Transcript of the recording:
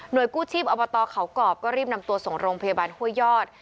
โดยกู้ชีพอบตเขากรอบก็รีบนำตัวส่งโรงพยาบาลห้วยยอด